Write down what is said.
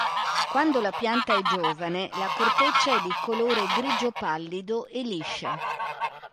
Quando la pianta è giovane, la corteccia è di colore grigio pallido e liscia.